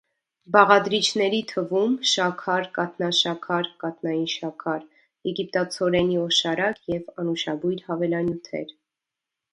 Բաղադրիչների թվում՝ շաքար, կաթնաշաքար (կաթնային շաքար), եգիպտացորենի օշարակ և անուշաբույր հավելանյութեր։